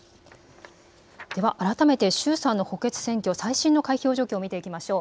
では改めて衆参の補欠選挙最新の開票状況を見ていきましょう。